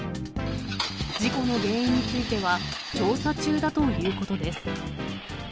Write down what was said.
事故の原因については、調査中だということです。